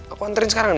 aku anterin sekarang